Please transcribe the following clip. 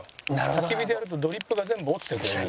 たき火でやるとドリップが全部落ちてここに。